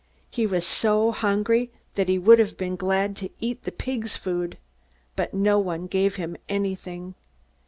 He was so hungry that he would have been glad to eat the pigs' food, but no one gave him anything.